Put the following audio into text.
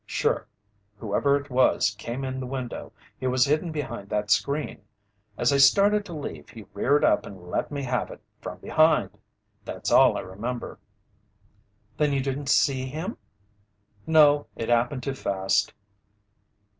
"Sure. Whoever it was, came in the window. He was hidden behind that screen. As I started to leave, he reared up and let me have it from behind! That's all I remember." "Then you didn't see him?" "No, it happened too fast."